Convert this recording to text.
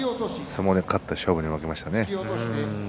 相撲には勝って勝負に負けましたね。